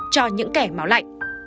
cho những kẻ máu lạnh